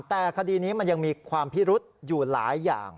แต่คดีนี้มันยังมีความพิรุษอยู่หลายอย่าง